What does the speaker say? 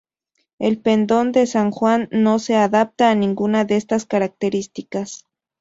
El Pendón de San Juan no se adapta a ninguna de estas características.